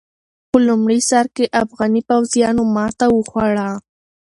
په لومړي سر کې افغاني پوځيانو ماته وخوړه.